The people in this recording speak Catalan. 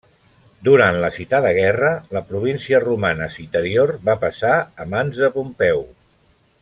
Durant la citada guerra, la província romana Citerior va passar a mans de Pompeu.